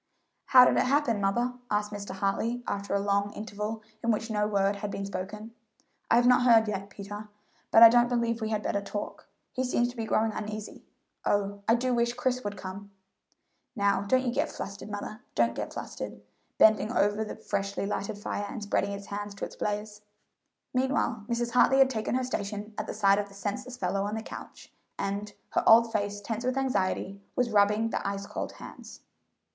"How did it happen, mother?" asked Mr. Hartley, after a long interval in which no word had been spoken. "I have not heard yet, Peter; but I don't believe we had better talk. He seems to be growing uneasy. Oh, I do wish Chris would come!" [Illustration: 0084] "Now, don't you get flustered, mother don't get flustered," bending over the freshly lighted fire and spreading his hands to its blaze. Meanwhile, Mrs. Hartley had taken her station at the side of the senseless fellow on the couch and, her old face tense with anxiety, was rubbing the ice cold hands.